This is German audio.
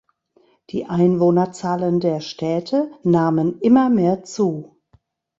Die Einwohnerzahlen der Städte nahmen immer mehr zu.